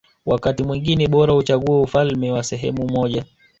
Wakati mwingine bora uchague ufalme wa sehemu moja